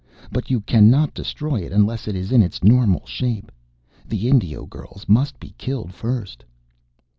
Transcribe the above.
But you cannot destroy it unless it is in its normal shape. The Indio girls must be killed first...."